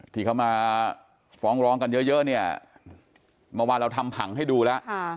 ที่เขามาฟ้องร้องกันเยอะเนี่ยเมื่อวานเราทำผังให้ดูแล้ว